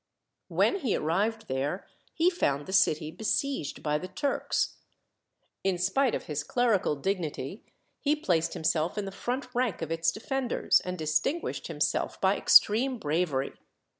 When he arrived there, he found the city besieged by the Turks. In spite of his clerical dignity, he placed himself in the front rank of its defenders, and distinguished himself by extreme bravery.